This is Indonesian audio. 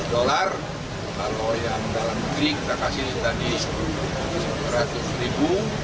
kalau yang dalam negeri kita kasih rp seratus